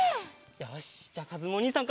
よしじゃあかずむおにいさんからいくぞ！